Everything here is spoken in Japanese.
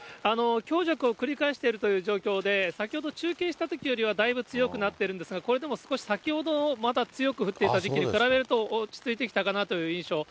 強弱を繰り返しているという状況で、先ほど中継したときよりはだいぶ強くなっているんですが、これでも少し、先ほど強く降っていた時期に比べると、落ち着いてきたかなという印象。